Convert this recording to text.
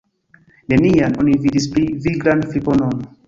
Nenian oni vidis pli viglan friponon.